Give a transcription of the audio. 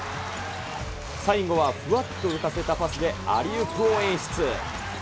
最後はふわっと浮かせたパスで、アリウープを演出。